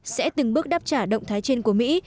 sẽ từng bước đáp trả động thái trên của mỹ